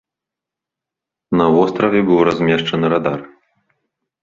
На востраве быў размешчаны радар.